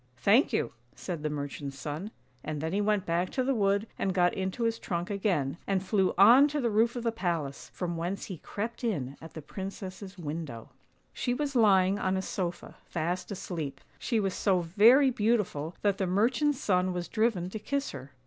" Thank you," said the merchant's son, and then he went back to the wood and got into his trunk again, and flew on to the roof of the palace, from whence he crept in at the princess's window. She was lying on a sofa, fast asleep. She was so very beautiful that the merchant's son was driven to kiss her.